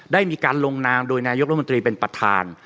ได้มีการลงนามโดยนายกรัฐมนตรีเป็นประธาน